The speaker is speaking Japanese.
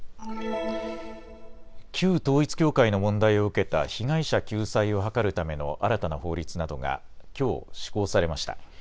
旧統一教会の問題を受けた被害者救済を図るための新たな法律などがきょう施行されました。